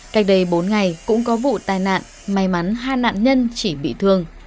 cách đây bốn ngày cũng có vụ tai nạn may mắn hai nạn nhân chỉ bị thương